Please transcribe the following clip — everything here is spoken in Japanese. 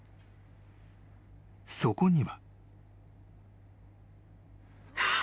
［そこには］